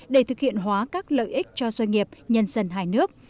để thực hiện hóa các lợi ích cho doanh nghiệp nhân dân hai nước